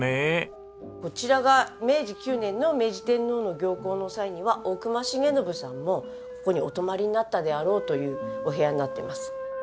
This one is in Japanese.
こちらが明治９年の明治天皇の行幸の際には大隈重信さんもここにお泊まりになったであろうというお部屋になってます。